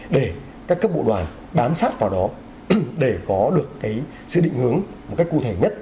để các cấp bộ đoàn bám sát vào đó để có được sự định hướng một cách cụ thể nhất